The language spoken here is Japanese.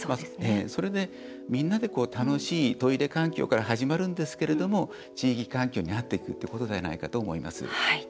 それで、みんなで楽しいトイレ環境から始まるんですけれども地域環境になっていくということではないかと思います。